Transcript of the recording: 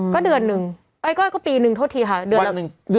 ก็เดือนนึงเอ้ยก็ปีนึงโทษทีค่ะเดือนละแผงไง